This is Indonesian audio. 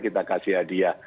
kita kasih hadiah